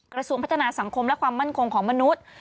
กระทรวงพัฒนาสังคมและความมั่นคงของมนุษย์